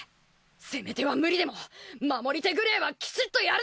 攻め手は無理でも守り手ぐれえはきちっとやるぜ！